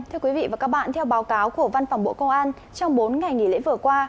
thưa quý vị và các bạn theo báo cáo của văn phòng bộ công an trong bốn ngày nghỉ lễ vừa qua